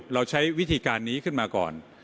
เราใช้วิธีการนี้ขึ้นมาก่อน